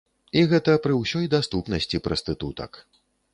І гэта пры ўсёй даступнасці прастытутак.